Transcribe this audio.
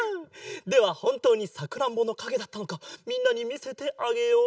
ではほんとうにさくらんぼのかげだったのかみんなにみせてあげよう。